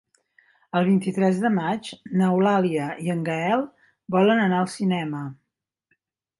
El vint-i-tres de maig n'Eulàlia i en Gaël volen anar al cinema.